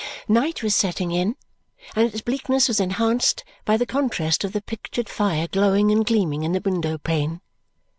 Night was setting in, and its bleakness was enhanced by the contrast of the pictured fire glowing and gleaming in the window pane.